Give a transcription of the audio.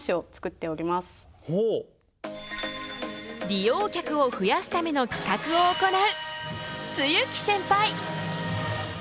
利用客を増やすための企画を行う露木センパイ。